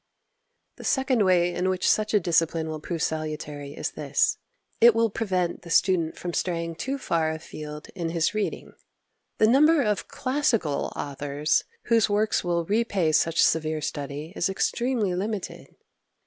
8. The second way in which such a discipline will prove salutary is this: it will prevent the student from straying too far afield in his reading. The number of "classical" authors whose works will repay such severe study is extremely limited.